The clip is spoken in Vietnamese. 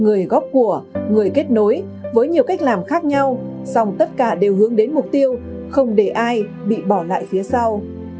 người góp của người kết nối với nhiều cách làm khác nhau song tất cả đều hướng đến mục tiêu không để ai bị bỏ lại phía sau